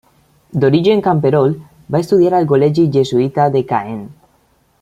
D'origen camperol, va estudiar al col·legi jesuïta de Caen.